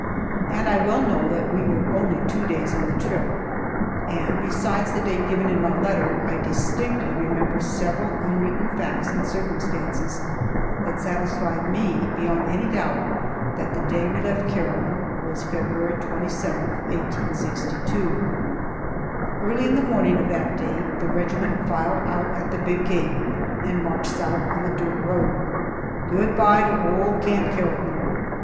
And I well know that we were only two days on the trip. And besides the date given in my letter, I distinctly remember several unwritten facts and circumstances that satisfy me beyond any doubt, that the day we left Carrollton was February 27, 1862. Early in the morning of that day, the regiment filed out at the big gate, and marched south on the dirt road. Good bye to old Camp Carrollton!